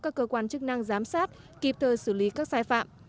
các cơ quan chức năng giám sát kịp thời xử lý các sai phạm